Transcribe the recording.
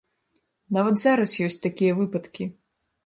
Нават зараз ёсць такія выпадкі!